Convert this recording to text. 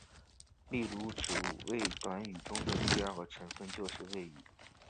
例如主谓短语中的第二个成分就是谓语。